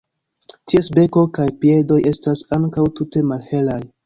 Ties beko kaj piedoj estas ankaŭ tute malhelaj.